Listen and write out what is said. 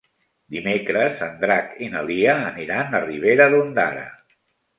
Dimecres en Drac i na Lia aniran a Ribera d'Ondara.